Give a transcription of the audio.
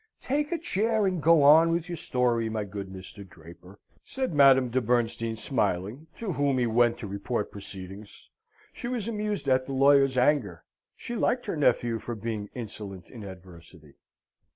"Take a chair and go on with your story, my good Mr. Draper!" said Madame de Bernstein, smiling, to whom he went to report proceedings. She was amused at the lawyer's anger. She liked her nephew for being insolent in adversity.